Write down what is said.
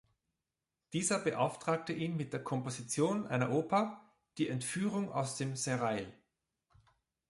Dieser beauftragt ihn mit der Komposition einer Oper: "Die Entführung aus dem Serail".